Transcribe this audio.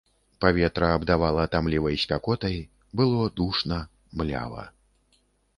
Паветра абдавала тамлівай спякотай, было душна, млява.